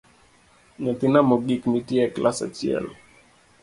Nyathina mogik nitie e klas achiel